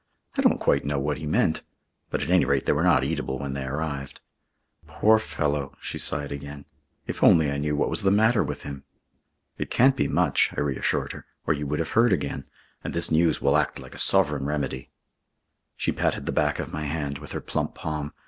I don't quite know what he meant but at any rate they were not eatable when they arrived. Poor fellow!" She sighed again. "If only I knew what was the matter with him." "It can't be much," I reassured her, "or you would have heard again. And this news will act like a sovereign remedy." She patted the back of my hand with her plump palm.